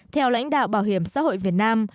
theo lãnh đạo bảo hiểm xã hội việt nam